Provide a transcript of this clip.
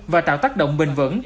và tạo tác động bình vẫn